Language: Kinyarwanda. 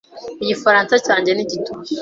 Igifaransa cyanjye ni gito.